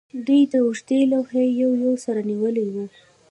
دوی د اوږدې لوحې یو یو سر نیولی و